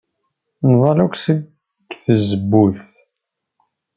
Nḍall akk seg tzewwut.